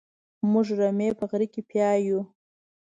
موږ رمې په غره کې پيايو.